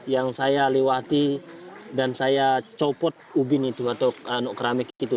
yang saya lewati dan saya copot ubin itu atau keramik itu